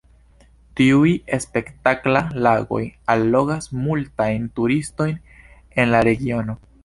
Tiuj spektakla lagoj allogas multajn turistojn en la regiono.